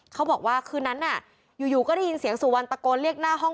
เขาบอกว่าคืนนั้นน่ะอยู่ก็ได้ยินเสียงสุวรรณตะโกนเรียกหน้าห้อง